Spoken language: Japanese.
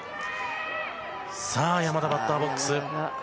山田、バッターボックス。